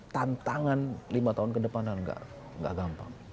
tantangan lima tahun ke depan nggak gampang